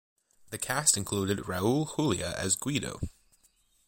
The cast included Raul Julia as Guido.